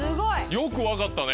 よく分かったね。